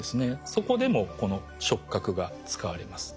そこでもこの触角が使われます。